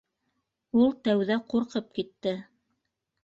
Ул тәүҙә ҡурҡып китте.